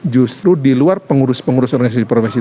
justru di luar pengurus pengurus organisasi profesi